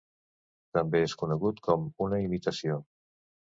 També es conegut com una imitació.